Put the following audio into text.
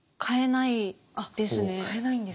変えないんですね。